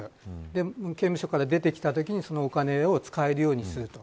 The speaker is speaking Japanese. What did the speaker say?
で、刑務所から出てきたときにそのお金を使えるようにすると。